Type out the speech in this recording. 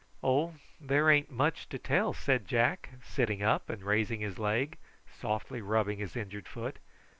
"Oh, there ain't much to tell," said Jack, sitting up and raising his leg, and softly rubbing his injured foot.